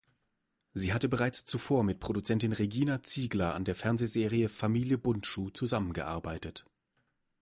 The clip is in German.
Sie hatte bereits zuvor mit Produzentin Regina Ziegler an der Fernsehreihe "Familie Bundschuh" zusammengearbeitet.